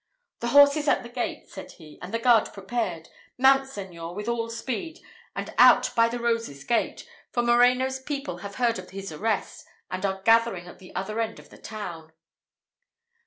"The horse is at the gate," said he, "and the guard prepared; mount, Señor, with all speed, and out by the Roses' gate, for Moreno's people have heard of his arrest, and are gathering at the other end of the town."